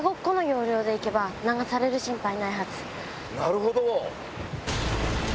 なるほど！